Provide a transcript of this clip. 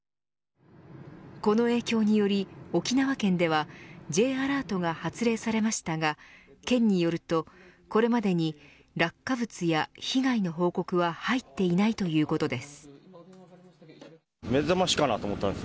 この影響により、沖縄県ではＪアラートが発令されましたが県によるとこれまでに落下物や被害の報告は入っていないということです。